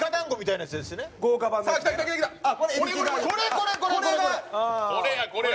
これやこれや！